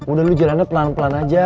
udah lo jalanin pelan pelan aja